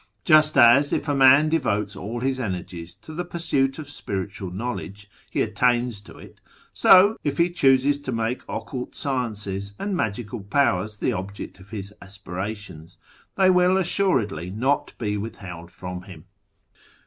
Just as, if a man devotes all his energies to the pursuit of spiritual knowledge, he attains to it, so, if he chooses to make occult sciences and magical jDowers the object of his aspirations, they will assuredly not be withheld from him."